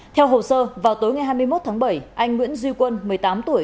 theo hồ sơ vào tối ngày hai mươi một tháng bảy anh nguyễn duy quân một mươi tám tuổi